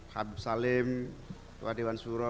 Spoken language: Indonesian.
habib salim tuan dewan suro